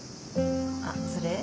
あっそれ？